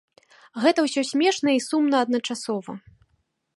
Гэта ўсё смешна і сумна адначасова.